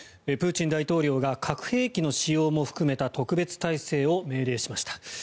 プーチン大統領が核兵器の使用も含めた特別態勢を命令しました。